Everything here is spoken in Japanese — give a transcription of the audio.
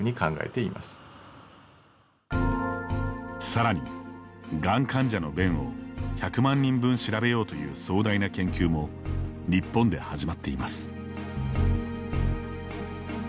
さらに、がん患者の便を１００万人分調べようという壮大な研究も日本で始まっています。